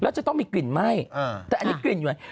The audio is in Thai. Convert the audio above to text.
แล้วจะต้องมีกลิ่นไหม้แต่อันนี้กลิ่นอยู่